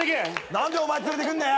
何でお前連れてくんだよ。